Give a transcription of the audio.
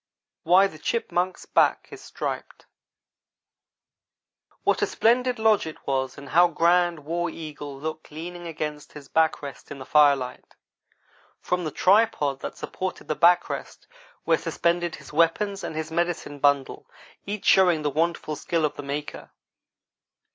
WHY THE CHIPMUNK'S BACK IS STRIPED WHAT a splendid lodge it was, and how grand War Eagle looked leaning against his back rest in the firelight! From the tripod that supported the back rest were suspended his weapons and his medicine bundle, each showing the wonderful skill of the maker.